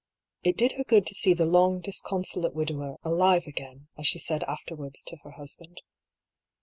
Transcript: It did her good to see the long disconsolate widower " alive again," as she said afterwards to her husband.